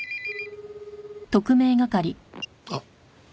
あっ。